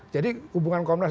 jadi hubungan komnas